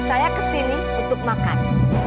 saya kesini untuk makan